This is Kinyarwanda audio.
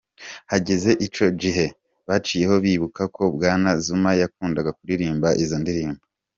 Hageze ico gihe, baciye bibuka ko Bwana Zuma yakunda kuririmba izo ndirimbo.